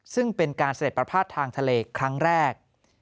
ซึ่งเป็นการเสด็จประพาททางทะเลครั้งแรก